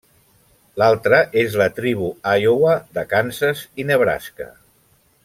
L'altra és la Tribu Iowa de Kansas i Nebraska.